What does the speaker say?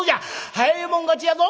早い者勝ちやぞ。